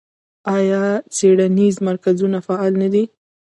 آیا څیړنیز مرکزونه فعال نه دي؟